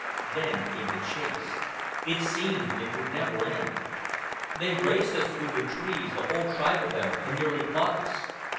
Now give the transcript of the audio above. Then came the chase. It seemed it never would end. They raced us through the trees, the whole tribe of them, and nearly caught us.